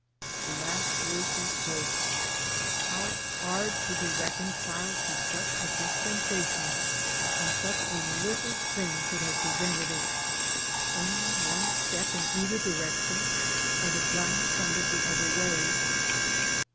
The last words he spoke. How hard to be reconciled to such a dis pensation when such a little thing could have prevented it, only one step in either direc tion, or the gun pointed the other way.